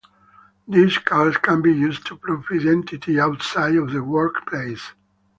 These cards can be used to prove identity outside of the workplace.